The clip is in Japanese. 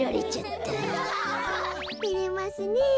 てれますねえ。